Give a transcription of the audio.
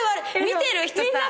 見てる人さ。